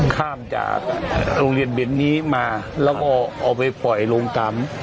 ข้ามจากโรงเรียนเบนนี้มาแล้วก็เอาไปปล่อยลงตาม